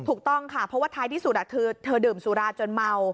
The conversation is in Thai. ถูกต้องค่ะเพราะว่าท้ายที่สุดเธอดื่มสุราจนเมา